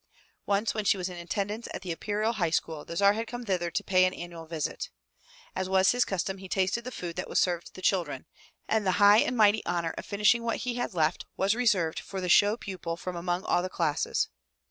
Once when she was in attendance at the Imperial High School, the Tsar had come thither to pay an annual visit. As was his custom he tasted the food that was served the children, and the high and mighty honor of finishing what he left was i8o FROM THE TOWER WINDOW reserved for the show pupil from among all the classes.